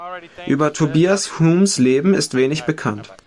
Über Tobias Humes Leben ist wenig bekannt.